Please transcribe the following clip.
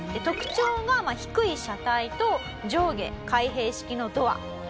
特徴が低い車体と上下開閉式のドア。